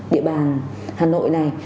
địa bàn hà nội này